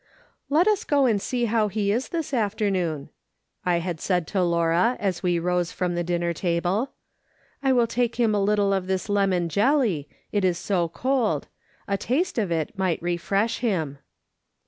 " Let us go and see how he is this afternoon," I had said to Laura as we rose from the dinner table. " I will take him a little of this lemon jelly, it is so cold. A taste of it may refresh him."